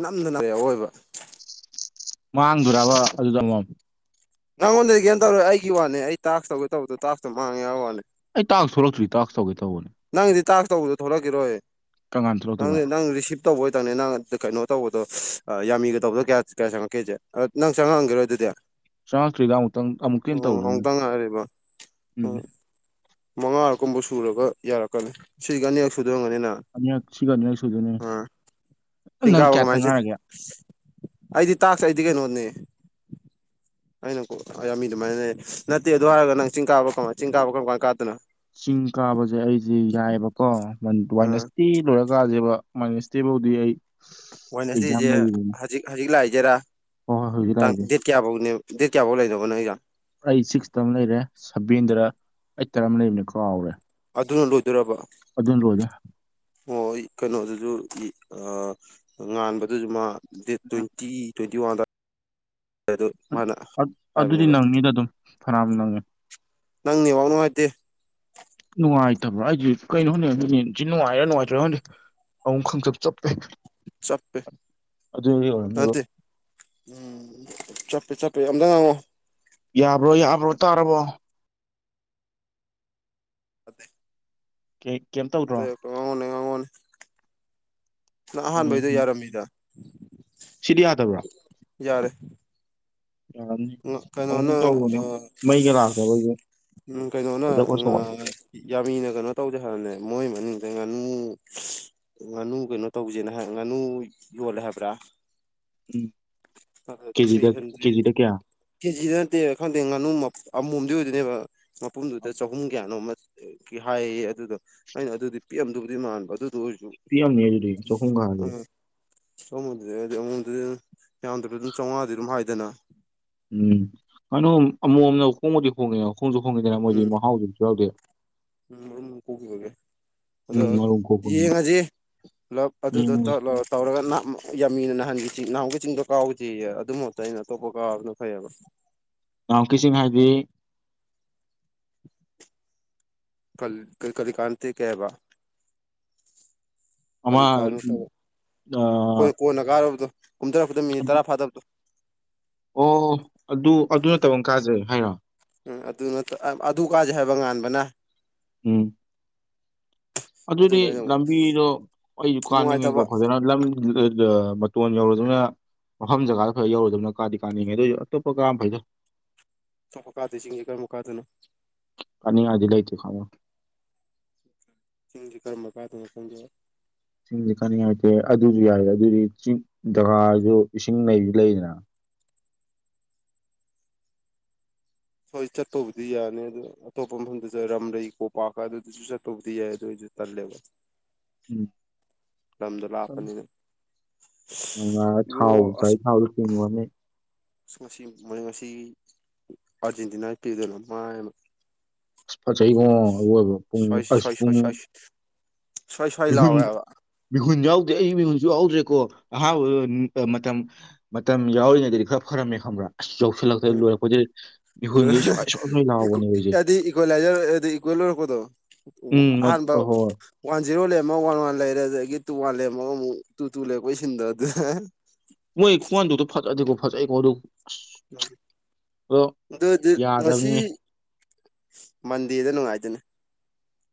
ꯅꯝꯗꯅ [unintelligible] ꯑꯣꯏꯕ ꯃꯥꯡꯗꯣꯏꯔꯕ ꯑꯗꯨ ꯆꯪꯉꯣ ꯅꯉꯣꯟꯗꯗꯤ ꯀꯩꯅꯣ ꯇꯧꯔꯦ ꯑꯩꯒꯤ ꯋꯥꯅꯦ ꯑꯩ ꯇꯥꯛꯁ ꯇꯧꯒꯦ ꯇꯧꯕꯗꯣ ꯇꯥꯛꯁꯇꯣ ꯃꯥꯡꯉꯦ ꯍꯥꯏꯕ ꯋꯥꯅꯤ ꯑꯩ ꯇꯥꯛꯁ ꯊꯣꯛꯂꯛꯇ꯭ꯔꯤ ꯇꯥꯛꯁ ꯇꯧꯒꯦ ꯇꯧꯕꯅꯦ ꯅꯪꯗꯤ ꯇꯥꯛꯁ ꯇꯧꯕꯗ ꯊꯣꯛꯂꯛꯈꯤꯔꯣꯏ ꯀꯔꯝꯀꯥꯟ ꯊꯣꯛꯂꯛꯇꯣꯏꯕ ꯅꯪꯗꯤ ꯅꯪ ꯔꯤꯁꯤꯞ ꯇꯧꯕꯣꯏꯇꯪꯅꯦ ꯅꯪ ꯀꯩꯅꯣ ꯇꯧꯕꯗꯣ ꯌꯥꯝꯃꯤꯒ ꯇꯧꯕꯗꯣ ꯀꯌꯥ ꯀꯌꯥ ꯆꯪꯉꯛꯀꯦꯖꯦ ꯅꯪ ꯆꯪꯉꯛꯑꯝꯒꯤꯔꯣꯏ ꯑꯗꯨꯗꯤ ꯆꯪꯉꯛꯇ꯭ꯔꯤꯗ ꯑꯃꯨꯛꯇꯪ ꯑꯃꯨꯛꯀꯤ ꯑꯣ ꯇꯧꯒ꯭ꯔꯦ ꯑꯃꯨꯛꯇꯪ ꯉꯥꯏꯔꯤꯕ ꯎꯝ ꯑꯣ ꯃꯉꯥꯔꯛꯀꯨꯝꯕ ꯁꯨꯔꯒ ꯌꯥꯔꯛꯀꯅꯤ ꯁꯤꯒ ꯑꯅꯤꯔꯛ ꯁꯨꯗꯣꯏ ꯑꯣꯏꯔꯝꯒꯅꯤ ꯅꯪ ꯑꯅꯤꯔꯛ ꯁꯤꯒ ꯑꯅꯤꯔꯛ ꯁꯨꯗꯣꯏꯅꯦ ꯑ ꯆꯤꯡ ꯅꯪ ꯀꯥꯕ ꯀꯌꯥꯇꯥ ꯀꯃꯥꯏꯅ ꯆꯠ ꯉꯥꯏꯔꯒꯦ ꯑꯩꯗꯤ ꯇꯥꯛꯁ ꯑꯩꯗꯤ ꯀꯩꯅꯣꯅꯦ ꯑꯩꯅ ꯀꯣ ꯌꯥꯝ ꯃꯤ ꯑꯗꯨꯃꯥꯏꯅ ꯂꯩ ꯅꯠꯇꯦ ꯑꯗꯨ ꯍꯥꯏꯔꯒ ꯅꯪ ꯆꯤꯡ ꯀꯥꯕ ꯀꯃꯥꯏ ꯆꯤꯡ ꯀꯥꯕ ꯀꯔꯝ ꯀꯥꯏ ꯀꯥꯗꯅꯣ ꯆꯤꯡ ꯀꯥꯕꯁꯦ ꯑꯩꯁꯦ ꯌꯥꯏꯑꯕꯀꯣ ꯑ ꯋꯥꯥꯏꯅꯁꯇꯦ ꯂꯣꯏꯔ ꯀꯥꯁꯦꯕ ꯋꯥꯥꯏꯅꯁꯇꯦ ꯐꯧꯗꯤ ꯑꯩ ꯑꯦꯛꯖꯥꯝ ꯋꯥꯦꯟꯁꯗꯦꯁꯦ ꯂꯩꯔꯤꯕꯅꯤ ꯍꯧꯖꯤꯛ ꯍꯧꯖꯤꯛ ꯂꯥꯛꯏꯁꯦꯔꯥꯥꯡ ꯍꯣꯏ ꯍꯣꯏ ꯍꯧꯖꯤꯛ ꯂꯥꯛꯏꯁꯦ ꯗ‌ꯦꯠ ꯀꯌꯥꯐꯧꯅꯦ ꯗꯦꯠ ꯀꯌꯥꯐꯧ ꯂꯩꯗꯧꯕ ꯅꯒꯤꯁ‌ꯦ ꯑꯩ ꯁꯤꯛꯁꯇ ꯑꯃ ꯂꯩꯔꯦ ꯁꯚꯦꯟꯗ ꯑꯩꯠꯇꯔ ꯑꯃ ꯂꯩꯕꯅꯤ ꯀꯥꯎꯔꯦ ꯑꯗꯨꯅ ꯂꯣꯏꯗꯣꯏꯔꯕ ꯑꯗꯨꯅꯥ ꯂꫭꯏꯗꫭꯏꯅꯤ ꯑꫭ ꯑꯩ ꯀꯩꯅꯣꯗꯨꯁꯨ ꯉꯥꯟꯕꯗꯨꯁꯨ ꯃꯥ ꯗꯦꯠ ꯇ꯭ꯋꯦꯟꯇꯤ ꯇ꯭ꯋꯦꯟꯇꯤ ꯋꯥꯟ ꯑꯗꯥꯏ ꯑꯗꯨ ꯃꯥꯅ ꯑꯗꯨꯗꯤ ꯍꯥꯏꯕꯅꯦꯕ ꯅꯪꯅꯤꯗ ꯑꯗꯨꯝ ꯐꯅꯌꯥꯝ ꯅꯪꯉꯦ ꯅꯪ ꯅ‌ꯦꯠ ꯋꯥꯥꯛ ꯅꯨꯡꯉꯥꯏꯇ‌ꯦ ꯅꯨꯡꯉꯥꯏꯇꯕ꯭ꯔꯥ ꯑꯩꯗꯤ ꯀꯩꯅꯣꯅ‌ꯦ ꯑꯗꯨꯅ‌ꯦ ꯍꯧꯖꯤꯛ ꯅꯨꯡꯉꯥꯏꯔꯥ ꯅꯨꯡꯉꯥꯏꯇꯔ ꯈꯪꯗ‌ꯦ ꯑꯃꯨꯛ ꯈꯪꯆꯞ ꯆꯞꯄꯦ ꯆꯞꯄꯦ ꯑꯗꯨꯒꯤ ꯑꯣꯏꯔꯝꯅꯦꯕ ꯅꯠꯇ‌ꯦ ꯎꯝ ꯆꯞꯄꯦ ꯆꯞꯄꯦ ꯑꯃꯇ ꯉꯥꯡꯉꫭ ꯌꯥꯕ꯭ꯔꯣ ꯌꯥꯕ꯭ꯔꯣ ꯇꯥꯔꯕꯣ ꯐ [unintelligible] ꯀꯩ ꯀꯩꯝ ꯇꯧꯗ꯭ꯔꯣ ꯉꯥꯡꯉꯣꯅꯦ ꯉꯥꯡꯉꯣꯅꯦ ꯅꯪ ꯑꯣꯏꯅꯦ ꯑꯍꯥꯟꯕꯩꯗꯣ ꯌꯥꯔꯝꯃꯤꯗ ꯁꯤꯗꯤ ꯌꯥꯗꯕ꯭ꯔꯣ ꯌꯥꯔꯦ ꯌꯥꯔꯝꯅꯤ ꯑꯃꯨꯛ ꯀꯩꯅꯣꯅ ꯇꯧꯕꯅꯦ ꯑ ꯃꯩꯒ ꯂꯥꯛꯇꯕꯒꯤ ꯎꯝ ꯀꯩꯅꫭꯅ ꯈꯣꯏꯗꯧꯒ ꯑꯥ ꯁꯥꯎꯒꯠꯂꯦ ꯌꯥꯃꯤꯅ ꯀꯩꯅꯣ ꯇꯧꯗꯦ ꯍꯥꯌꯕꯅꯦ ꯃꯣꯏ ꯃꯅꯤꯡꯗꯩ ꯉꯥꯅꯨ ꯉꯥꯅꯨ ꯀꯩꯅꯣ ꯇꯧꯁꯦꯅꯍꯥꯏ ꯉꯥꯅꯨ ꯌꯣꯜꯂꯦ ꯍꯥꯏꯕ꯭ꯔꯥ ꯎꯝ ꯀꯦꯖꯤꯗ ꯊ꯭ꯔꯤ ꯍꯟꯗ꯭ꯔꯦꯠ ꯀꯦꯖꯤꯗ ꯀꯌꯥ ꯀꯦꯖꯤꯗ ꯅꯠꯇꯦ ꯈꯪꯗꯦ ꯉꯥꯅꯨ ꯑꯃꯣꯝꯗꯤ ꯑꯣꯏꯗꯣꯏꯅꯦꯕ ꯃꯄꯨꯝꯗꯨꯗ ꯆꯍꯨꯝ ꯀꯌꯥꯅꯣꯃ ꯑꯗꯨꯒꯤ ꯍꯥꯏꯌꯦ ꯑꯗꯨꯗ ꯑꯩꯅ ꯑꯗꯨꯗꯤ ꯄꯤꯛꯎꯝꯗꯨꯕꯨꯗꯤ ꯃꯥꯟꯕ ꯑꯗꯨꯗ ꯑꯣꯏꯔꯁꯨ ꯄꯤꯝꯅꯤ ꯑꯗꯨꯗꯤ ꯆꯍꯨꯝ ꯒꯗꯨꯗꯤ ꯁꯗꯨꯗꯤꯗꯤ [unintelligible] ꯑꯃꯗꯗꯤ ꯌꯥꯝꯗ꯭ꯔꯕꯁꯨ ꯑꯗꯨꯝ ꯆꯥꯝꯃꯉꯥꯗꯤ ꯑꯗꯨꯝ ꯍꯥꯏꯗꯅ ꯎꯝ ꯀꯩꯅꯣ ꯑꯃꯨꯛꯝꯅ ꯍꯣꯡꯕꯗꯤ ꯍꯣꯡꯉꯦ ꯍꯣꯡꯁꯨ ꯍꯣꯡꯉꯤꯗꯅ ꯃꯣꯏꯗꯤ ꯃꯍꯥꯎꯁꯨ ꯌꯥꯎꯗꯦ ꯎꯝ ꯀꯨꯒꯕꯒꯦ [unintelligible] ꯑꯗꯣ ꯎꯝ ꯃꯔꯨꯝ ꯀꯣꯛꯄꯅꯤꯅ ꯌꯦꯡꯉꯁꯤ ꯄꯨꯂꯞ ꯑꯗꯨꯗ ꯎꯝ ꯇꯛ ꯇꯧꯔꯒ ꯌꯥꯝꯃꯤꯅ ꯅꯍꯥꯟꯒꯤ ꯆꯤꯡ ꯅꯥꯍꯥꯟꯃꯨꯛꯀꯤ ꯆꯤꯡꯗꯣ ꯀꯥꯎꯁꯦꯌꯦ ꯑꯗꯨ ꯃꯍꯨꯠꯇ ꯑꯩꯅ ꯑꯇꯣꯞꯄ ꯀꯥꯕꯅ ꯐꯩꯌꯦꯕ ꯅꯥꯍꯟꯃꯨꯛꯀꯤ ꯆꯤꯡ ꯍꯥꯏꯗꯤ [inaudible] ꯀꯜ ꯀꯔꯤ ꯀꯔꯤ ꯀꯥꯟꯇꯦ ꯀꯩ ꯍꯥꯏꯕ ꯑꯃ ꯀꯔꯤ ꯀꯥꯟ ꯇꯧꯕ ꯑꯩꯈꯣꯏꯅ ꯀꯣꯟꯅ ꯀꯥꯔꯨꯕꯗꯣ ꯀꯨꯝꯊꯔꯛꯄꯗ ꯃꯤꯅꯤꯠ ꯇꯔꯥ ꯐꯥꯗꯕꯗꯣ ꯑꯣ ꯑꯗꯨ ꯑꯗꯨ ꯅꯠꯇꯕ ꯀꯥꯖ‌ꯦ ꯍꯥꯏꯔꫭ ꯎꯝ ꯑꯗꯨꯅ ꯑꯗꯨ ꯀꯥꯁꯦ ꯍꯥꯏꯕ ꯉꯥꯟꯕꯅ ꯎꯝ ꯑꯗꯨꯗꯤ ꯑꯗꯨꯗ ꯑꯩꯅ ꯑꯃꯨꯛ ꯂꯝꯕꯤꯗꯣ ꯑꯩꯁꯨ ꯀꯥꯅꯤꯡꯉꯤꯀꯣ ꯅꯨꯡꯉꯥꯏꯇꯕ ꯐꯖꯅ ꯂꯝ ꯃꯇꯣꯟ ꯌꯧꯔꯖꯨꯅ ꯃꯐꯝ ꯖꯒꯥꯗ ꯈꯔ ꯌꯧꯔꯨꯗꯕꯅ ꯀꯗꯤ ꯀꯥꯅꯤꯡꯉꯤ ꯑꯗꯨꯏꯁꯨ ꯑꯇꯞꯄ ꯀꯥꯕꯅꯥ ꯐꯩꯗꯥ ꯑꯊꯣꯛꯄ ꯀꯥꯗꫭꯏ ꯆꯤꯡꯁꯦ ꯀꯔꯝꯕ ꯀꯥꯗꯣꯏꯅꯣ ꯀꯅꯤꯉꯥꯏꯗꯤ ꯂꯩꯥꯏꯇꯦ ꯈꯜꯂꫭ ꯆꯤꯡꯁꯤ ꯀꯔꯝꯕ ꯀꯥꯗꫭꯏꯅꯣ ꯈꯪꯗ‌ꯦ ꯆꯤꯡꯁ‌ꯦ ꯀꯥꯅꯤꯡꯉꯥꯏꯇꯦ ꯑꯗꯨꯁꯨ ꯌꯥꯏꯦ ꯑꯗꯨꯗꯤ ꯆꯤꯡ ꯖꯒꯥꯁꯨ ꯏꯁꯤꯡ ꯂꯩꯩꯁꯨ ꯂꯩꯗꯅ ꯍꯣꯏ ꯆꯠꯄꯕꯨꯗꯤ ꯌꯥꯅꯤ ꯑꯗꯨ ꯑꯇꯣꯞꯄ ꯃꯐꯝꯗꯁꯨ ꯔꯥꯝꯂꯩ ꯀꯣꯄꯥꯛꯀ ꯑꯗꯨꯗꯁꯨ ꯆꯠꯄꯕꯨꯗꯤ ꯌꯥꯏ ꯑꯗꯨꯏꯁꯨ ꯇꯜꯂꯦꯕ ꯎꯝ ꯂꯝꯗꯨꯂꯞꯄꯅꯤꯅ ꯑ [unintelligible] ꯊꯥꯎ ꯒꯔꯤ ꯊꯥꯎꯖꯨ ꯀꯩꯅꯅꯦ ꯑꯁ ꯉꯁꯤ ꯃꯣꯏ ꯉꯁꯤ ꯑꯥꯔꯖꯦꯟꯇꯤꯅꯥꯒꯤ ꯄꯤꯗꯅ ꯃꯥꯏꯃ ꯐꯖꯩꯉꯣ ꯑꯣꯏꯕ ꯄꯨꯡ ꯁ꯭ꯋꯥꯏ ꯑꯁ ꯁ꯭ꯋꯥꯏ ꯁ꯭ꯋꯥꯏ ꯄꯨꯡ ꯁ꯭ꯋꯥꯏ ꯁ꯭ꯋꯥꯏ ꯁ꯭ꯋꯥꯏ ꯃꯤꯍꯨꯟ ꯂꯥꯎꯋꯦ ꯍꯥꯏꯕ ꯃꯤꯍꯨꯟ ꯌꯥꯎꯗꯦ ꯑꯩ ꯃꯤꯍꯨꯟꯁꯨ ꯌꯥꯎꯗ꯭ꯔꯦꯀꯣ ꯑꯍꯥꯟꯕ ꯃꯇꯝ ꯃꯇꯝ ꯌꯥꯎꯔꯤꯉꯩꯗꯗꯤ ꯈꯔ ꯐꯔꯝꯃꯦ ꯈꯪꯕ꯭ꯔꯥ ꯑꯁ ꯌ ꯁ꯭ꯋꯥꯏ ꯁ꯭ꯋꯥꯏ ꯁ꯭ꯋꯥꯏ ꯏꯛ ꯂꯥꯎꯕꯅꯦ ꯍꯧꯖꯤꯛ ꯍꯥꯢꯗꯤ ꯏꯀꯋꯂꯥꯏꯖꯔ ꯍꯥꯏꯗꯤ ꯏꯀ꯭ꯋꯦꯜ ꯑꯣꯏꯔꯛꯄꯗꯣ ꯎꯝ ꯃ- ꯑꯍꯥꯟꯕꯧ ꯍꯣꯏ ꯋꯥꯟ ꯖꯤꯔꯣ ꯂꯩꯔꯝꯃ ꯋꯥꯟ ꯋꯥꯟ ꯂꯩꯔꯦ ꯑꯗꯒꯤ ꯇꯨ ꯋꯥꯟ ꯂꯩꯔꯝꯃꯒ ꯑꯃꯨꯛ ꯇꯨ ꯇꯨ ꯂꯩꯔꯛꯄꯩ ꯁꯤꯟꯗꯣ ꯑꯗꯨ ꯃꯣꯏ ꯈꯨꯋꯟꯗꯣꯛꯇꯣ ꯐꯖꯗꯦꯀꯣ ꯐꯖꯩꯀꯣ ꯑꯗꯨ ꯑꯗꯣ ꯗꯗꯤ ꯉꯁꯤ ꯌꯥꯗꯕꯅꯤꯅꯦ ꯃꯟꯗꯦꯗ ꯅꯨꯡꯉꯥꯏꯗꯣꯏꯅꯦ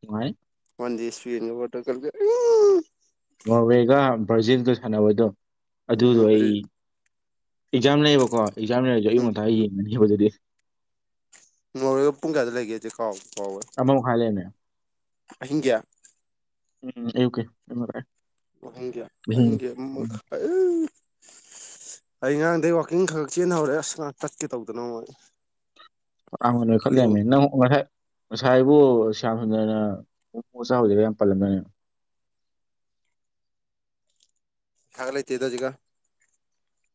ꯅꯨꯡꯉꯥꯏ ꯃꯟꯗꯦ ꯏꯁꯄꯦꯟꯒ ꯄꯣꯇꯨꯒꯟꯒ ꯅꯣꯔꯋꯦꯒ ꯕ꯭ꯔꯥꯖꯤꯜꯒ ꯁꯥꯟꯅꯕꯗꯣ ꯑꯗꯨꯗꯣ ꯎꯝ ꯑꯗꯨ ꯑꯩ ꯑꯦꯛꯖꯥꯝ ꯂꯩꯌꯦꯕꯀꯣ ꯑꯦꯛꯖꯥꯝ ꯂꯩꯔꯁꯨ ꯑꯌꯨꯛ ꯎꯝ ꯉꯟꯇꯥ ꯌꯦꯡꯅꯤꯕ ꯑꯗꯨꯗꯤ ꯅꯣꯔꯋꯦꯒ ꯄꯨꯡꯒꯥꯌꯥꯗ ꯂꯩꯒꯦ ꯑꯩꯗꯤ ꯀꯥꯎꯕꯨ ꯀꯥꯎꯔꯦ ꯑꯃ ꯃꯈꯥꯏ ꯂꯩꯔꯝꯃꯦ ꯑꯍꯤꯡꯒꯤ ꯑꯌꯨꯛꯒꯤꯅꯦ ꯃꯈꯥꯏ ꯑꯍꯤꯡ ꯑꯍꯤꯡꯒꯤ ꯑꯃ ꯎꯝ ꯃꯈꯥꯏ ꯑꯩ ꯉꯔꯥꯡꯗꯩ ꯋꯥꯀꯤꯡ ꯈ ꯈꯛ ꯆꯦꯟꯍꯧꯔꯦ ꯑꯁ ꯉ ꯇꯥꯠꯀꯦ ꯇꯧꯗꯅꯉꯣ ꯑꯩ ꯐꯅꯥꯝ ꯅꯣꯏꯈꯠ ꯂꯩꯔꯝꯃ ꯅꯪ ꯉꯁꯥꯏꯕꯨ ꯁꯌꯥꯝꯁꯨꯟꯗꯔꯅ ꯃꯣꯃꯣ ꯆꯥꯔꯨꯁꯤꯒ ꯌꯥꯝ ꯄꯜꯂꯝꯗꯥꯏꯅꯦ ꯄꯩꯁꯥꯒ ꯂꯩꯇꯦꯗ ꯍꯧꯖꯤꯛꯀꯥꯟ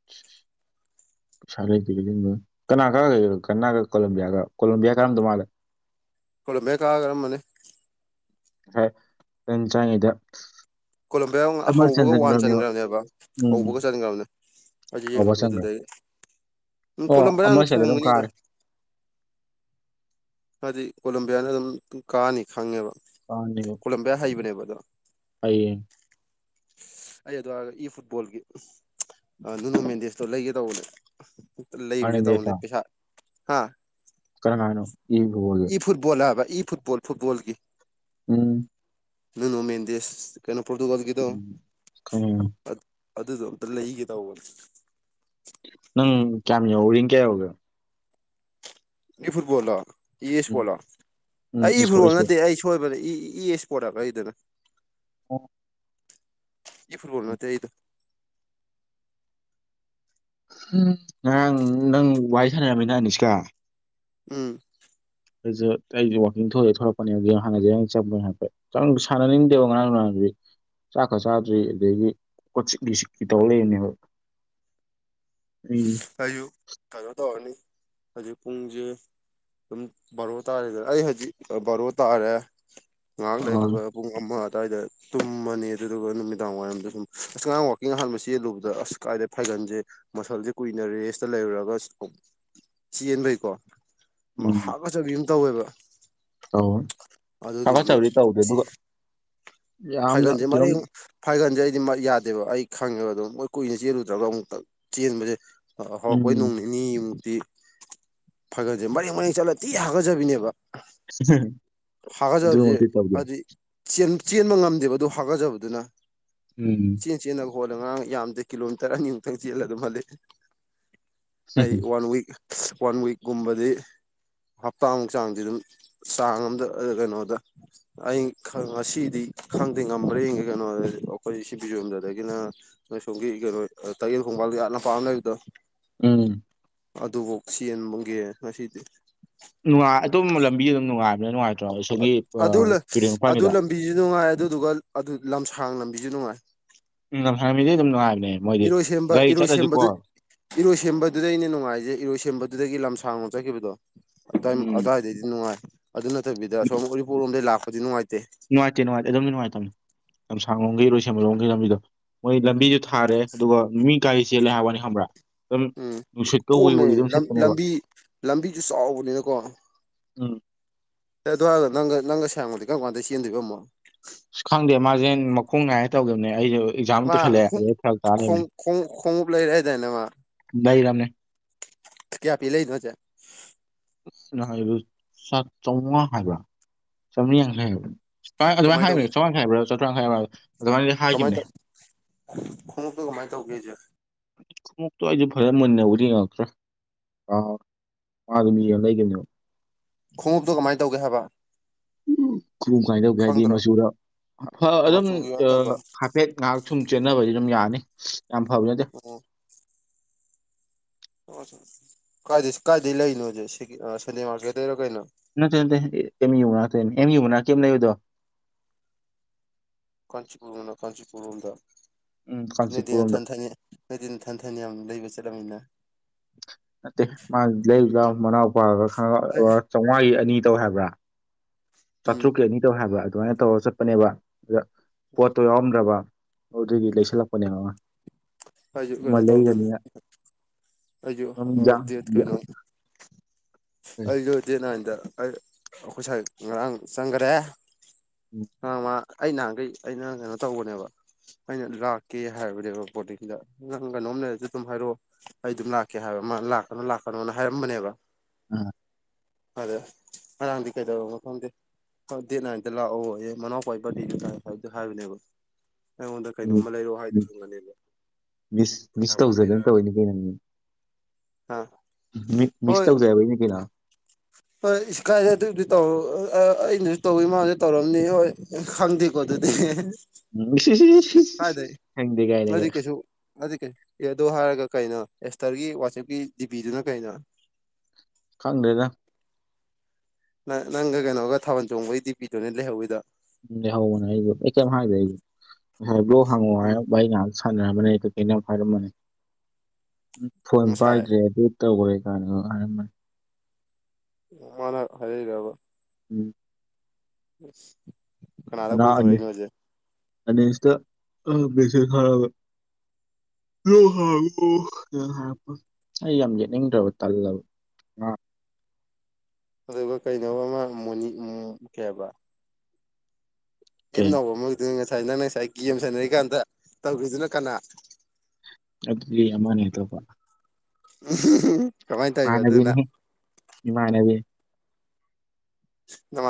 [inaudible] ꯁꯥ ꯂꯩꯇꯦ ꯄꯤꯒꯤꯟꯕꯥ ꯀꯅꯥ ꯀꯒꯔꯒꯦ ꯀꯅꯥꯒ ꯀꯣꯂꯣꯝꯕꯤꯌꯥꯒ ꯀꯣꯂꯣꯝꯕꯤꯌꯥ ꯀꯔꯝꯗꯧ ꯃꯥꯜꯂꯦ ꯀꯣꯂꯝꯕꯤꯌꯥ ꯀꯥꯒꯔꯝꯃꯅꯤ ꯉꯁꯥꯏ ꯑꯩꯟ ꯆꯥꯉꯩꯗ ꯀꯣꯂꯝꯕꯤꯌꯥ ꯋ ꯍꯧꯕꯒ ꯋꯥꯟ ꯆꯟꯒ꯭ꯔꯝꯅꯦꯕ ꯍꯧꯕꯒ ꯎꯝ ꯆꯟꯒ꯭ꯔꯝꯅꯦ ꯑꯩꯖꯨ ꯑꯧꯕ ꯆꯟꯈ꯭ꯔꯦ ꯌꯦꯡꯉꯝꯕꯗꯨꯗꯩ ꯎꯝ ꯑꯣ ꯑꯃ ꯀꯣꯂꯝꯕꯤꯌꯥꯅ ꯆꯜꯂ ꯑꯗꯨꯝ ꯊꯣꯡꯒꯅꯤꯗ ꯀꯥꯔꯦ ꯍꯥꯏꯗꯤ ꯀꯣꯂꯝꯕꯤꯌꯥꯅ ꯑꯗꯨꯝ ꯀꯥꯅꯤ ꯈꯪꯉꯦꯕ ꯀꯥꯅꯤꯕ ꯀꯣꯂꯝꯕꯤꯌꯥ ꯍꯩꯕꯅꯦꯕ ꯑꯗꯣ ꯍꯩꯌꯦ [unintelligible] ꯑꯩ ꯑꯗꯨ ꯍꯥꯏꯒ ꯏ ꯐꯨꯠꯕꯣꯜꯒꯤ ꯎꯝ ꯆ ꯑꯗꯨ ꯃꯦꯟꯗꯦꯁꯇꯣ ꯂꯩꯒꯦ ꯇꯧꯕꯅꯦ ꯎꯝ ꯇ ꯂꯩꯔꯨꯒꯦ ꯇꯧꯕꯅꯦ ꯐꯥꯔꯅꯦꯟꯗꯦꯁꯂꯣ ꯄꯩꯁꯥ ꯍꯥꯥ ꯀꯅꯥꯅꯣ ꯌꯦꯡꯒꯣꯏ [unintelligible] ꯐꯨꯠꯕꯣꯜ ꯍꯥꯕ ꯏ ꯐꯨꯠꯕꯣꯜ ꯐꯨꯠꯕꯣꯜꯒꯤ ꯎꯝ ꯅꯅꯣꯃꯦꯟꯗꯦꯁ ꯀꯩꯅꯣ ꯄꯣꯔꯇꯨꯒꯜꯒꯤꯗꯣ ꯎꯝ ꯈꯪꯉꯦ ꯑ ꯑꯗꯨꯗꯣ ꯑꯝꯇ ꯂꯩꯒꯦ ꯇꯧꯕꯅꯦ ꯅꯪ ꯀꯌꯥꯝ ꯌꯧꯔꯤ ꯒꯥꯏꯌꯧꯒꯦ ꯏ ꯐꯨꯠꯕꯣꯜ ꯂꯣ ꯏ ꯎꯝ ꯏꯁ꯭ꯄꯣꯠꯂꯣ ꯎꯝ ꯑꯩ ꯏ ꯏꯁꯄꯣꯔꯠ ꯐꯨꯠꯕꯣꯜ ꯏꯁꯄꯣꯔꯠ ꯅꯠꯇꯦ ꯑꯩ ꯁꯣꯏꯕꯅꯦ ꯏ ꯏ ꯏꯁ꯭ꯄꯣꯔꯠ ꯍꯥꯌꯕ ꯑꯩꯗꯨꯅ ꯑꯣ ꯏ ꯐꯨꯠꯕꯣꯜ ꯅꯠꯇꯦ ꯑꯩꯗꯣ ꯎꯝ ꯉꯍꯥꯡ ꯅꯪ ꯋꯥꯔꯤ ꯁꯥꯟꯅꯔꯝꯃꯤꯅ ꯑꯅꯤꯁꯀꯥ ꯎꯝ ꯑꯩꯖꯨ ꯇꯩꯗ ꯋꯥꯛꯀꯤꯡ ꯊꯣꯛꯂ ꯊꯣꯛꯂꯛꯄꯅꯦ ꯒꯦꯝ ꯁꯥꯟꯅꯖꯦꯅ [unintelligible] ꯆꯪꯕ ꯍꯥꯏꯐꯦꯠ ꯆꯪ ꯁꯥꯟꯅꯅꯤꯡꯗꯦꯕ ꯉꯔꯥꯡ ꯅꯍꯥꯟꯗꯤ ꯆꯥꯛ ꯀ ꯆꯥꯗ꯭ꯔꯤ ꯑꯗꯩꯗꯤ ꯀꯣꯛ ꯆꯤꯛꯂꯤ ꯆꯤꯛꯂꯤ ꯇꯧ ꯂꯩꯔꯤꯅꯦꯕ ꯎꯝ ꯑꯌꯨꯛ ꯀꯩꯅꯣ ꯇꯧꯔꯅꯤ ꯍꯧꯖꯤꯛ ꯄꯨꯡꯁꯦ ꯑꯗꯨꯝ ꯕꯥꯔꯣ ꯇꯥꯔꯦꯗꯅ ꯑꯩ ꯍꯧꯖꯤꯛ ꯕꯔꯣ ꯇꯥꯔꯦ ꯉꯥꯏꯍꯥꯛ ꯎꯝ ꯂꯩꯕꯒ ꯄꯨꯡ ꯑꯃ ꯑꯋꯥꯏꯗ ꯇꯨꯝꯃꯅꯤ ꯑꯗꯨꯗꯨꯒ ꯅꯨꯃꯤꯗꯥꯡ ꯋꯥꯏꯔꯝꯗ ꯁꯨꯝ ꯑꯁ ꯉꯔꯥꯡ ꯋꯥꯛꯀꯤꯡ ꯑꯍꯥꯟꯕ ꯆꯦꯜꯂꯨꯕꯗ ꯑꯁ ꯀꯥꯏꯗꯩ ꯐꯥꯏꯒꯟꯁꯦ ꯃꯁꯜꯁꯦ ꯀꯨꯏꯅ ꯔꯦꯁꯇ ꯂꯩꯔꯨꯔꯒ ꯆꯦꯟꯕꯩꯀꯣ ꯑꯣꯠꯆꯕꯤꯝ ꯇꯧꯋꯦꯕ ꯑꯣ ꯑꯗꯨꯗꯨꯒꯤ ꯊꯀꯆꯧꯗꯤ ꯇꯧꯗ꯭ꯔꯦ ꯑꯗꯨꯒ ꯌꯥꯝꯅ ꯐꯥꯏꯒꯟꯁꯦ ꯀꯩꯅꯣꯝ ꯃꯥꯔꯦꯡ ꯐꯥꯏꯒꯟꯁꯦ ꯑꯩꯗꯤ ꯌꯥꯗꯦꯕ ꯑꯩ ꯈꯪꯉꯦꯕ ꯑꯗꯨꯝ ꯃꯣꯏ ꯀꯨꯏꯅ ꯆꯦꯜꯂꯨꯗ꯭ꯔꯒ ꯑꯃꯨꯛꯇ ꯆꯦꯟꯕꯁꯦ ꯍꯧꯔꯛꯄꯩ ꯎꯝ ꯅꯣꯡ ꯅꯤꯅꯤꯃꯨꯛꯇꯤ ꯐꯒꯠꯁꯦ ꯃꯔꯦꯡ ꯃꯔꯦꯡ ꯆꯠꯂꯗꯤꯤ ꯍꯥꯒꯠꯆꯕꯤꯅꯦꯕ ꯍꯥꯒꯖꯕꯁꯦ ꯑꯗꯨꯃꯛꯇꯤ ꯇꯧꯗꯦ ꯍꯥꯏꯗꯤ ꯆꯦꯟ ꯆꯦꯟꯕ ꯉꯝꯗꯦꯕ ꯑꯗꯨ ꯍꯥꯒꯠꯆꯕꯗꯨꯅ ꯎꯝ ꯆꯦꯟ ꯆꯦꯟꯅꯕ ꯍꯣꯠꯂꯒꯔꯥꯡ ꯌꯥꯝꯗꯦ ꯀꯤꯂꯣꯃꯤꯇꯔ ꯑꯅꯤꯃꯨꯛꯇꯪ ꯆꯦꯜꯂ ꯑꯗꯨꯝ ꯍꯜꯂꯦ ꯑꯩ ꯋꯥꯟꯋꯤꯛ ꯋꯥꯟꯋꯤꯛꯒꯨꯝꯕꯗꯤ ꯍꯞꯇꯥꯃꯨꯛ ꯆꯥꯡꯗꯤ ꯑꯗꯨꯝ ꯆꯥꯡ ꯑꯝꯗ ꯀꯩꯅꯣꯗ ꯑꯩ ꯉꯁꯤꯗꯤ ꯈꯪꯗꯦ ꯉꯝꯕ꯭ꯔꯦ ꯀꯩꯅꯣ ꯑꯩꯈꯣꯏ ꯁꯤꯕꯤꯤꯖꯣꯝꯗꯗꯒꯤꯅ ꯅꯣꯏ ꯁꯣꯝꯒꯤ ꯀꯩꯅꯣ ꯇꯌꯦꯜ ꯈꯣꯡꯕꯥꯜꯗꯤ ꯌꯥꯝꯅ ꯄꯥꯝꯅꯕꯗꯣ ꯎꯝ ꯑꯗꯨꯐꯧ ꯆꯦꯟꯕꯒꯤꯦ ꯉꯁꯤꯗꯤ ꯅꯨꯡꯉꯥꯏ ꯑꯗꯨꯝꯕ ꯂꯝꯕꯤꯗꯨ ꯑꯗꯨꯝ ꯅꯨꯡꯉꯥꯏꯕꯅꯦ ꯅꯨꯡꯉꯥꯏꯇ꯭ꯔꯣ ꯁꯣꯝꯒꯤ ꯑꯗꯨ ꯇꯨꯔꯦꯟ ꯑꯗꯨ ꯃꯄꯥꯟꯒꯤꯗ ꯂꯝꯕꯤꯁꯨ ꯅꯨꯡꯉꯥꯏ ꯑꯗꯨꯗꯨꯒ ꯑꯗꯨ ꯂꯝꯁꯥꯡ ꯂꯝꯕꯤꯁꯨ ꯅꯨꯡꯉꯥꯏ ꯎꯝ ꯂꯝꯁꯥꯡꯕꯤꯗꯤ ꯑꯗꯨꯝ ꯅꯨꯡꯉꯥꯏꯕꯅꯦ ꯃꯣꯏꯗꯤ ꯒꯥꯔꯤ ꯆꯠꯂꯁꯨꯀꯣ ꯏꯔꯣꯏ ꯁꯦꯝꯕꯗꯨꯗꯩꯅ ꯅꯨꯡꯉꯥꯏꯖꯦ ꯏꯔꯣꯏ ꯁꯦꯝꯕꯗꯨꯗꯒꯤ ꯂꯝꯁꯥꯡ ꯂꯣ ꯎꯝ ꯆꯠꯈꯤꯕꯗꯣꯏ ꯗꯩꯗꯤ ꯅꯨꯡꯉꯥꯏ ꯑꯗꯨ ꯅꯠꯇꯕꯤꯗ ꯁꯁꯣꯝ ꯎꯔꯤꯄꯣꯛ ꯂꯣꯝꯗꯩ ꯂꯥꯛꯄꯗꯤ ꯅꯨꯡꯉꯥꯏꯇꯦ ꯅꯨꯡꯉꯥꯏꯇꯦ ꯅꯨꯡꯉꯥꯏꯇꯦ ꯑꯗꯨꯝ ꯅꯨꯡꯉꯥꯏꯇꯃꯦ ꯂꯝꯁꯥꯡ ꯂꯣꯝꯒꯤ ꯂꯣꯏꯁꯦꯝꯕ ꯂꯣꯝꯒꯤ ꯂꯝꯕꯤꯗꯣ ꯃꯣꯏ ꯂꯝꯕꯤꯁꯨ ꯊꯥꯔꯦ ꯑꯗꯨꯒꯃꯤ ꯒꯥꯔꯤ ꯆꯦꯜꯂꯦ ꯍꯥꯏꯕ ꯋꯥꯅꯤ ꯈꯪꯕ꯭ꯔꯥ ꯑꯗꯨ ꯎꯝ ꯅꯨꯡꯁꯤꯠꯀ ꯎꯏ ꯔꯤ ꯑꯗꯨꯝ ꯁꯤꯦꯠꯄꯅꯦꯕ ꯂꯝꯕꯤꯁꯨ ꯆꯥꯎꯕꯅꯤꯅꯀꯣ ꯎꯝ ꯑꯗꯨꯋꯥꯔꯗ ꯅꯪꯒ ꯅꯪꯒ ꯁꯥꯡꯉꯕꯗꯤ ꯀꯔ ꯀꯥꯟꯗ ꯆꯦꯟꯗꯣꯏꯕꯝꯃꯣ ꯑꯁ ꯈꯪꯗꯦ ꯃꯥꯁꯦ ꯃꯈꯣꯡ ꯅꯥꯏꯌꯦ ꯇꯧꯒꯤꯕꯅꯦ ꯑꯩꯁꯨ ꯑꯦꯛꯖꯥꯝ ꯃꯥ ꯇꯧꯁꯜꯂꯛꯑꯦ ꯑꯗꯩ ꯐꯔꯛ ꯇꯥ ꯂꯩꯔꯝꯅꯦ ꯈꯣꯡ ꯈꯣꯡꯎꯞ ꯂꯩꯔꯦ ꯍꯥꯏꯗꯥꯅꯦ ꯃꯥ ꯩꯔꯃꯦ ꯀꯌꯥ ꯄꯤ ꯂꯩꯅꯣ ꯍꯥꯏꯖꯦ ꯅꯍꯥꯟꯒꯤꯗꯣ ꯆꯧꯉꯥ ꯍꯥꯏꯕ꯭ꯔꯥ ꯆꯥꯝꯃꯔꯤ ꯌꯥꯡꯈꯩ ꯁꯃꯥꯏ ꯑꯗꯨꯃꯥꯏꯅ ꯀꯃꯥꯏ ꯇꯧꯒꯦ ꯍꯥꯏꯕꯅꯦ ꯆꯥꯃꯉꯥꯌꯥꯡꯈꯩ ꯍꯥꯏꯕ꯭ꯔꯥ ꯆꯥꯇ꯭ꯔꯨꯛꯌꯥꯡꯈꯩ ꯍꯥꯏꯕ꯭ꯔꯥ ꯑꯗꯨꯃꯥꯏꯅ ꯍꯥꯏꯈꯤꯕꯅꯦ ꯈꯣꯡꯉꯨꯞꯇꯨ ꯉꯃꯥꯏ ꯇꯧꯒꯦꯖꯦ ꯈꯣꯉꯨꯞꯇꯣ ꯑꯩꯁꯨ ꯐꯖꯅ ꯃꯨꯟꯅꯕꯨꯗꯤ ꯌꯦꯉꯛꯇ꯭ꯔꯦ꯫ ꯑꯥ ꯃꯥꯗ ꯃꯤꯌꯦ ꯂꯩꯒꯅꯦꯕ ꯈꯣꯡꯎꯞꯇꯣ ꯀꯃꯥꯏ ꯇꯧꯒꯦ ꯍꯥꯏꯕ ꯎ ꯀꯨꯝ ꯀꯥꯏꯅꯗꯧꯒꯦ ꯍꯥꯏꯗꯤ ꯈꯪꯗ꯭ꯔꯣ ꯃꯆꯨꯗ ꯑꯗꯨꯝ ꯃꯆꯨꯒꯤꯔꯣ ꯅꯠꯇꯕ ꯦꯠ ꯉꯥꯏꯍꯥꯛ ꯁꯨꯝ ꯆꯦꯟꯅꯕꯗꯤ ꯑꯗꯨꯝ ꯌꯥꯅꯤ ꯌꯥꯝ ꯐꯕ ꯅꯠꯇꯦ ꯑꯣ ꯑꯣ ꯀꯥꯏ ꯀꯥꯏꯗ ꯂꯩꯔꯤꯅꯣ ꯍꯧꯖꯤꯦ ꯁꯟꯗ ꯃꯥꯔꯀꯦꯠꯇꯩꯔ ꯀꯩꯅꯣ ꯅꯠꯇꯦ ꯅꯠꯇꯦ ꯑꯦ ꯑꯦꯝ ꯌꯨꯕ ꯛꯇꯣꯏ ꯑꯦꯝ ꯌꯨꯕ ꯅꯥꯦ ꯑꯃ ꯂꯩꯕꯗꯣ ꯀꯥꯟꯆꯤꯄꯨꯔꯣꯝꯅ ꯀꯥꯟꯆꯤꯄꯨꯔꯣꯝꯗ ꯎꯝ ꯅꯗꯤꯅ ꯀꯥꯟꯆꯤꯄꯨꯔꯔꯣꯝꯗ ꯊꯪꯅ ꯊꯪꯉꯦ ꯍꯥꯏꯗꯤꯅ ꯊꯟꯊꯅ ꯌꯥꯝ ꯂꯩꯕ ꯆꯠꯂꯂꯝꯃꯤꯅ ꯅꯠꯇꯦ ꯃꯥ ꯂꯩꯔꯤꯕ꯭ꯔ ꯃꯅꯥꯎꯄꯥꯒ ꯈ ꯑꯩ ꯆꯥꯝꯃꯉꯥꯒꯤ ꯑꯅꯤ ꯇꯧ ꯍꯥꯏꯕ꯭ꯔꯥ ꯎꯝ ꯆꯥꯇ꯭ꯔꯨꯛꯀꯤ ꯑꯅꯤ ꯇꯧ ꯍꯥꯏꯕ ꯑꯗꯨꯃꯥꯏꯅ ꯇꯧꯔꯒ ꯆꯠꯄꯅꯦꯕ ꯑꯗ ꯄꯣꯠꯇꯣ ꯌꯥꯎꯔꯝꯗ꯭ꯔꯕ ꯑꯗꯨ ꯑꯗꯨꯗꯤ ꯂꯩꯁꯜꯂꯛꯄꯅꯦ ꯑꯩꯖꯨ ꯀꯩꯅꯣ ꯇꯧꯗꯣꯏꯅꯤ ꯑꯩꯖꯨ ꯑ ꯗꯦꯠ ꯀꯩꯅꯣ ꯑꯩꯖꯨ ꯗꯦꯠ ꯅꯥꯏꯟꯗ ꯑꯩ ꯑꯈꯣꯏ ꯁꯥꯏ ꯉꯔꯥꯡ ꯆꯪꯒꯔꯦ ꯎꯝ ꯉꯔꯥꯡ ꯃꯥ ꯑꯩ ꯅꯍꯥꯟꯒꯩ ꯑꯩꯅ ꯀꯩꯅꯣ ꯇꯧꯕꯅꯦꯕ ꯑꯩꯅ ꯂꯥꯛꯀꯦ ꯍꯥꯏꯕꯅꯦꯕ ꯕꯣꯔꯗꯤꯡꯗ ꯅꯪ ꯀꯩꯅꯣꯝ ꯂꯩꯔꯗꯤ ꯑꯗꯨꯝ ꯍꯥꯏꯔꯛꯑꯣ ꯑꯩ ꯗꯨꯝ ꯂꯥꯛꯀꯦ ꯍꯥꯏꯕ ꯃꯥ ꯂꯥꯛꯀꯅꯨ ꯂꯥꯛꯀꯅꯣꯅ ꯍꯥꯏꯔꯝꯕꯅꯦꯕ ꯑꯗ ꯉꯔꯥꯡꯗꯤ ꯀꯩꯗꯧꯔꯕꯅꯣ ꯈꯪꯗꯦ ꯍꯣꯢ ꯗꯦꯠ ꯅꯥꯏꯟꯗ ꯂꯥꯛꯑꯣꯌꯦ ꯃꯅꯥꯎꯄꯥꯏ ꯕꯥꯔꯠꯗꯦꯅꯤ ꯇꯥꯏ ꯍꯥꯏꯗꯣ ꯍꯥꯏꯕꯅꯦꯕ ꯑꯩꯉꯣꯟꯗ ꯀꯩꯅꯣꯝꯃ ꯂꯩꯔꯛꯑꯣ ꯍꯥꯏꯗꯣꯏ ꯑꯣꯏꯔꯝꯒꯅꯦꯕ ꯃꯤꯁ ꯃꯤꯁ ꯇꯧꯖꯗꯅ ꯇꯧꯔꯤꯅꯤ ꯀꯩꯅꯣ ꯃꯤ ꯃꯤꯠ ꯃꯤꯁ ꯍꯣꯏ ꯇꯧꯖꯕꯩꯅꯤ ꯀꯩꯅꯣ ꯍꯣꯏ ꯏꯁ ꯀꯥꯏꯗꯩ ꯑꯗꯨꯗꯤ ꯇꯧꯔ ꯑꯣ ꯑꯥ ꯑꯩꯅꯖꯨ ꯇꯧꯋꯤ ꯃꯥꯅꯖꯨ ꯇꯧꯔꯝꯅꯤ ꯍꯣꯏ ꯈꯪꯗꯦꯀꯣ ꯑꯗꯨꯗꯤ ꯍꯦ ꯍꯦ ꯍꯦ ꯎꯝ ꯢꯁ ꯢꯁ ꯢꯁ ꯀꯥꯏꯗꯩ ꯅꯠꯇꯦ ꯀꯩꯁꯨ ꯑꯗꯨꯗꯤ ꯀꯩ ꯑꯦ ꯑꯗꯣ ꯍꯥꯏꯔꯒ ꯀꯩꯅꯣ ꯑꯦꯁꯇꯔꯒꯤ ꯋꯥꯆꯦꯞꯀꯤ ꯗꯤꯕꯤꯗꯨꯅ ꯀꯩꯅꯣ ꯈꯪꯗ꯭ꯔꯦꯗ ꯅ ꯅꯪꯒ ꯀꯩꯅꯣꯒ ꯊꯥꯕꯜ ꯆꯣꯡꯕꯩ ꯗꯤꯄꯤꯗꯨꯅꯦ ꯂꯩꯍꯧꯋꯤꯗꯣ ꯎꯝ ꯂꯩꯍꯧꯕꯅꯦ ꯑꯩꯖꯨ ꯑꯩ ꯀꯩꯏꯝ ꯍꯥꯏꯗ꯭ꯔꯦ ꯑꯩꯖꯨ ꯉꯁꯥꯏ ꯕ꯭ꯂꯣꯛ ꯍꯥꯡꯉꯛꯑꯣ ꯎꯝ ꯍꯥꯏꯔ ꯋꯥꯔꯤ ꯉꯍꯥꯛ ꯁꯥꯟꯅꯔꯝꯕꯅꯦ ꯀꯩꯀꯩꯩꯅꯣ ꯌꯥꯝ ꯍꯥꯏꯔꯝꯕꯅꯦ ꯐꯣꯟ ꯉꯁꯥꯏ ꯄꯥꯏꯗ꯭ꯔꯦ ꯑꯗꯨ ꯇꯧꯒ꯭ꯔꯦ ꯀꯥꯏꯅꯒ ꯍꯥꯏꯔꯝꯕꯅꯦ ꯑꯣ ꯃꯥꯅ ꯍꯥꯏꯔꯛꯏꯔꯥꯕ ꯎꯝ ꯑꯁ [unintelligible] ꯑꯅꯤꯁꯇ ꯎꯝ ꯃꯦꯁꯦꯁ ꯊꯥꯔꯛꯑꯒ ꯂꯧꯁꯤꯟꯕ ꯉꯝꯗꯕ ꯑꯩ ꯌꯥꯝ ꯌꯦꯠꯅꯤꯡꯗ꯭ꯔꯕ ꯇꯜꯂꯕ ꯃꯥ ꯑꯗꯨꯒ ꯀꯩꯅꯣꯕ ꯃꯥꯅ ꯃꯣꯅꯤ ꯎꯝ ꯀꯩ ꯍꯥꯏꯕ ꯑꯦꯝꯅ ꯀꯩ ꯍꯧꯕ ꯑꯃꯗꯨꯅ ꯉꯁꯥꯏ ꯅꯪꯅ ꯉꯁꯥꯏ ꯒꯦꯝ ꯁꯥꯟꯅꯔꯤꯀꯥꯟꯗ ꯇꯧꯒ꯭ꯔꯤꯗꯨꯅ ꯀꯅꯥ ꯑꯗꯨꯗꯤ ꯑꯃꯅꯤ ꯑꯇꯣꯞꯄ ꯎꯝ ꯍꯤ ꯍꯤ ꯏꯃꯥꯟꯅꯕꯤꯅꯤꯍꯦ ꯏꯃꯥꯅꯕꯤꯅꯤ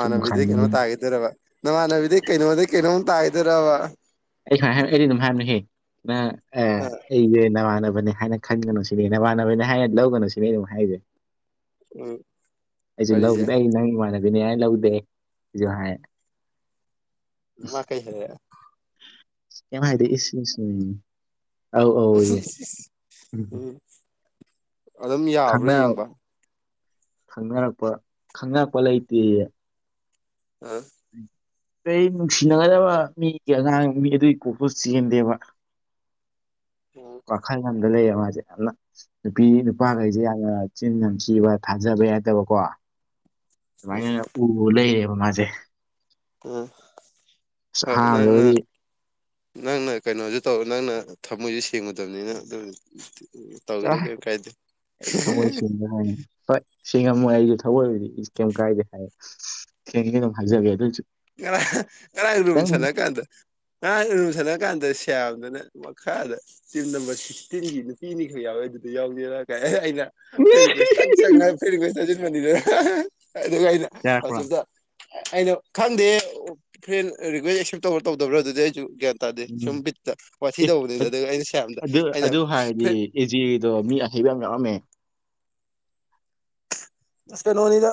ꯁꯨꯝ ꯀꯩꯅꯣ ꯈꯥꯏꯕꯅꯤ ꯇꯥꯒꯤꯗꯣꯏꯔꯥꯕ ꯅꯃꯥꯟꯅꯕꯤꯗꯩ ꯀꯩꯅꯣꯗꯩ ꯀꯩꯅꯣ ꯃꯨꯛ ꯇꯥꯒꯤꯗꯣꯏꯔꯥꯕ ꯑꯩ ꯁꯨꯃꯥꯏ ꯍꯥꯏ ꯑꯩꯗꯤ ꯑꯗꯨꯝ ꯍꯥꯏꯕꯅꯦꯍꯦ ꯅꯪ ꯑ ꯑꯩꯖꯦ ꯅꯃꯥꯟꯅꯕꯅꯦ ꯍꯥꯏꯅ ꯈꯟꯒꯅꯨ ꯁꯤꯅꯤ ꯅꯕꯥꯥꯟꯅꯕꯅꯤ ꯍꯥꯏꯔ ꯂꯧꯒꯅꯨ ꯁꯤꯅꯤ ꯑꯩꯅ ꯑꯃꯨꯛ ꯍꯥꯏꯔꯤꯁꯦ ꯎꯝ ꯑꯩꯖꯧ ꯂꯧꯗꯦ ꯋꯥꯔꯤꯁꯦ ꯑꯩ ꯅꯪ ꯏꯃꯥꯟꯅꯕꯤꯅꯦ ꯍꯥꯏꯅ ꯂꯧꯗꯦ ꯑꯩꯖꯨ ꯍꯥꯏ ꯑꯗꯨ ꯃꯥ ꯀꯩ ꯍꯥꯏꯔꯛꯑꯦ ꯀꯦꯏꯝ ꯍꯥꯏꯗꯦ ꯏꯁ ꯏꯁꯤ ꯎꯝ ꯑꯧ ꯑꯧ ꯌꯦ ꯎꯝ ꯑꯗꯨꯝ ꯌꯥꯕ꯭ꯔꯣ ꯌꯦꯡꯕ ꯈꯪꯅꯔꯛꯄ ꯈꯪꯅꯔꯛꯄ ꯂꯩꯇꯦꯌꯦ ꯑ ꯑꯩꯩ ꯅꯨꯡꯁꯤꯅꯒꯗꯕ ꯃꯤꯒꯤ ꯑꯉꯥꯡ ꯃꯤ ꯑꯗꯨꯏ ꯀꯣꯛꯇꯨ ꯆꯦꯟꯗꯦꯕ ꯎꯝ ꯋꯥꯈꯜ ꯑꯝꯗ ꯂꯩꯔꯦ ꯃꯥꯖꯦ ꯌꯥꯝꯅ ꯅꯨꯄꯤ ꯅꯨꯄꯥꯈꯩꯁꯦ ꯌꯥꯝꯅ ꯆꯤꯟ ꯌꯥꯝ ꯊꯤꯕ ꯊꯥꯖꯕ ꯌꯥꯗꯕ ꯀꯣ ꯎꯝ ꯁꯨꯃꯥꯏꯅꯅ ꯎ ꯂꯩꯔꯦꯕ ꯃꯥꯖꯦ ꯎꯝ ꯍꯣꯏ ꯅꯪꯅ ꯑꯍꯥꯟꯕꯗꯕꯨꯗꯤ ꯅꯪꯅ ꯀꯩꯅꯣꯖꯨ ꯇꯧ ꯅꯪꯅ ꯊꯃꯣꯏꯖꯨ ꯁꯦꯡꯉꯨꯗꯕꯅꯤꯅ ꯑꯗꯨꯏꯅꯤ ꯆꯠꯂꯣꯍꯦ ꯑꯩ ꯊꯝꯃꯣꯏ ꯁꯦꯡꯗꯦ ꯍꯥꯏꯅꯦ ꯍꯣꯏ ꯁꯤꯡꯉꯝꯃꯣꯏ ꯑꯩꯖꯨ ꯊꯝꯃꯣꯏꯕꯨꯗꯤ ꯏꯁ ꯀꯦꯏꯝ ꯀꯥꯏꯗꯦ ꯍꯥꯏꯌꯦ ꯁꯦꯡꯗꯦ ꯑꯗꯨꯝ ꯍꯥꯏꯖꯒꯦ ꯑꯗꯣꯏꯁꯨ ꯀꯔ ꯀꯔꯥꯡ ꯏꯔꯨꯝ ꯁꯜꯂ ꯀꯥꯟꯗ ꯉꯔꯥꯡ ꯏꯔꯨꯝ ꯁꯜꯂ ꯀꯥꯟꯗ ꯁꯦꯝꯗꯅ ꯃꯈꯥꯗ ꯇꯤꯟ ꯇꯤꯟꯒꯤ ꯅꯨꯄꯤꯅꯤ ꯈꯛ ꯌꯥꯎꯋꯦ ꯑꯩ ꯑꯗꯨꯗꯤ ꯌꯥꯎꯗꯦꯔꯥ ꯀ ꯑꯩꯅ ꯐꯔꯦꯟ ꯔꯤꯀꯋꯦꯁ ꯇꯛ ꯆꯪꯉꯥ ꯐꯔꯦꯟ ꯔꯤꯀꯋꯦꯁ ꯊꯥꯖꯤꯟꯕꯅꯤꯗ ꯑꯗꯨꯒ ꯑꯩꯅ ꯌꯥꯔꯛꯄ꯭ꯔꯥ ꯋꯥꯆꯝꯇꯥ ꯑꯩꯅꯣ ꯈꯪꯗꯦ ꯐ꯭ꯔꯦꯟ ꯔꯤꯀ꯭ꯋꯦꯁ ꯑꯦꯛꯁꯦꯞ ꯇꯧꯕ ꯇꯧꯗꯕ꯭ꯔꯣ ꯑꯗꯨꯗꯤ ꯑꯩꯁꯨ ꯒ꯭ꯌꯥꯟ ꯇ ꯇꯗꯦ ꯁꯨꯝ ꯎꯝ ꯕꯤꯠꯇ ꯋꯥꯊꯤ ꯑꯦ ꯇꯧꯕꯅꯤꯗ ꯑꯗꯨꯒ ꯑꯩꯅ ꯁꯌꯥꯝꯗ ꯑꯩꯅ ꯐꯔꯦꯟ ꯑꯦ ꯖꯤꯗꯣ ꯃꯤ ꯑꯍꯩꯕ ꯌꯥꯝ ꯌꯥꯎꯔꯝꯃꯦ ꯑꯁ ꯀꯩꯅꯣꯅꯤꯗ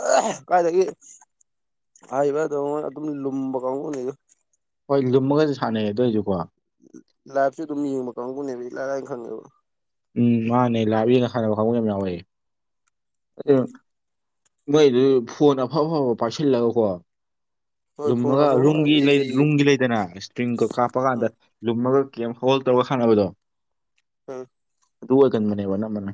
ꯀꯥꯏꯗꯒꯤ [unintelligible] ꯑꯗꯨꯝ ꯂꯨꯝꯕ ꯀꯥꯡꯕꯨꯅꯤꯗ꯫ ꯍꯣꯏ ꯂꯨꯝꯃꯒꯁꯨ ꯁꯥꯟꯅꯩꯌꯦ ꯑꯗꯨ ꯑꯣꯏꯁꯨꯀꯣ ꯂꯥꯏꯐꯁꯨ ꯑꯗꯨꯝ ꯌꯦꯡꯕ ꯀꯥꯡꯕꯨꯅꯦꯕ ꯂꯥꯏ ꯂꯥꯏꯅ ꯈꯪꯉꯦꯕ ꯎꯝ ꯃꯥꯅꯦ ꯂꯥꯛꯏꯅ ꯁꯥꯟꯅꯕ ꯍꯧꯕ ꯌꯥꯝ ꯌꯥꯎꯌꯦ [unintelligible] ꯑꯗꯨ ꯎꯝ ꯃꯣꯏꯗꯨ ꯐꯣꯟ ꯑꯐ ꯑꯐꯕ ꯄꯥꯏꯁꯤꯜꯂꯒꯀꯣ ꯍꯣꯏ ꯐꯣꯟ ꯂꯨꯝꯃꯒ ꯑꯐꯕ ꯔꯨꯝꯒꯤ ꯑꯦꯖꯤ ꯔꯨꯝꯒꯤ ꯂꯩꯗꯅ ꯏꯁꯄ꯭ꯔꯤꯡꯒ ꯀꯥꯞꯄ ꯀꯥꯟꯗ ꯎꯝ ꯂꯨꯝꯃꯒ ꯒꯦꯝ ꯍꯣꯜ ꯇꯧꯔꯒ ꯁꯥꯟꯅꯕꯗꯣ ꯑ ꯑꯗꯨꯑꯒꯟ ꯃꯅꯦꯕ ꯅ ꯃꯅꯦ